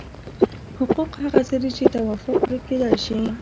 حقوق هغه څه دي چې توافق پرې کېدای شي.